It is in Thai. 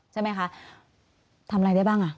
ใช่ไหมคะทำอะไรได้บ้างอ่ะ